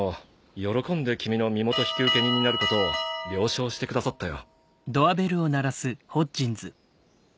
喜んで君の身元引受人になることを了承してくださったよ。